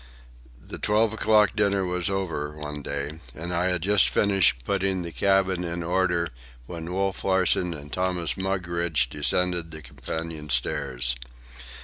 The twelve o'clock dinner was over, one day, and I had just finished putting the cabin in order, when Wolf Larsen and Thomas Mugridge descended the companion stairs.